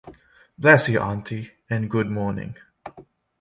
Bless you, auntie, and good morning!